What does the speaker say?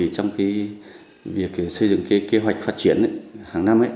trong việc xây dựng kế hoạch phát triển hàng năm